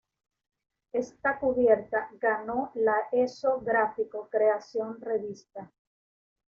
Esta cubierta ganó la Esso gráfico creación revista.